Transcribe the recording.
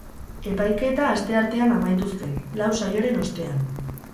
Epaiketa asteartean amaitu zen, lau saioren ostean.